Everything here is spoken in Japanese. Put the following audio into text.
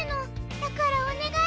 だからおねがい